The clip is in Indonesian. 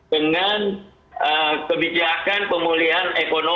dengan kebijakan pemulihan ekonomi